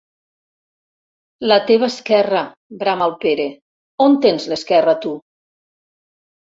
La teva esquerra! —brama el Pere— On tens l'esquerra, tu?